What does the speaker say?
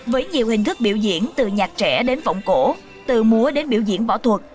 với nhiều hình thức biểu diễn từ nhạc trẻ đến vọng cổ từ múa đến biểu diễn võ thuật